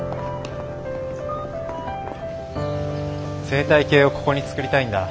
生態系をここに作りたいんだ。